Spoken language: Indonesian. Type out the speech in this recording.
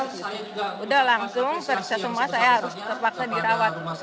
sudah langsung setelah semua saya harus terus terpaksa dirawat